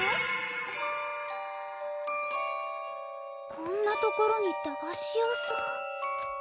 こんなところに駄菓子屋さん。